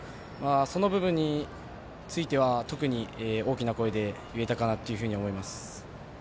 その部分については特に大きな声で言えたかなというふうに思います。